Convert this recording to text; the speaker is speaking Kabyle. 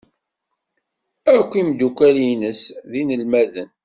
Akk imeddukal-nnes d inelmaden.